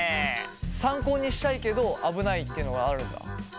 参考にしたいけど危ないっていうのがあるんだ。